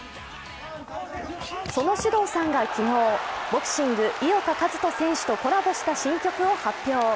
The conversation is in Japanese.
そのｓｙｕｄｏｕさんが昨日、ボクシング井岡一翔選手とコラボした新曲を発表。